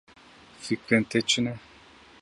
Fikrên te çi ne?